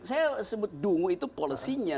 saya sebut dungu itu polisinya